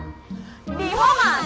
リフォーマーズ！